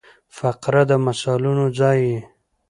فقره د مثالونو ځای يي.